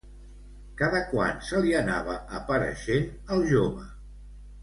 Cada quant se li anava apareixent al jove?